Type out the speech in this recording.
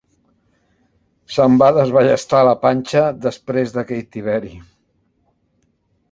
Se'm va desballestar la panxa després d'aquell tiberi.